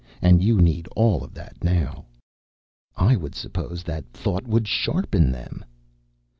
And you need all of that now." "I would suppose that thought would sharpen them."